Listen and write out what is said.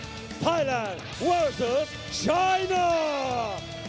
ตอนต่อไปไทยกับชินา